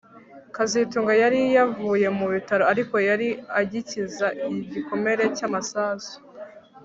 kazitunga yari yavuye mu bitaro ariko yari agikiza igikomere cyamasasu